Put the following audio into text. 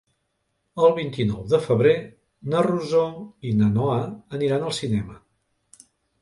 El vint-i-nou de febrer na Rosó i na Noa aniran al cinema.